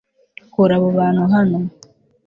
kura abo bantu hano